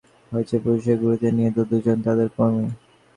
জামায়াতের পক্ষ থেকে দাবি করা হয়েছে, পুলিশের গুলিতে নিহত দুজন তাদের কর্মী।